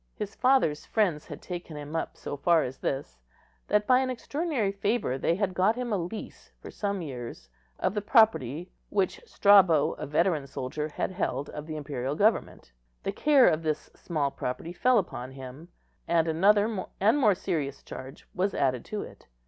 His father's friends had taken him up so far as this, that by an extraordinary favour they had got him a lease for some years of the property which Strabo, a veteran soldier, had held of the imperial government. The care of this small property fell upon him, and another and more serious charge was added to it.